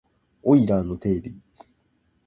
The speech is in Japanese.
オイラーの定理